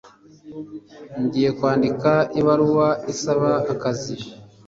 Ngiye kwandika ibaruwa isaba akazi.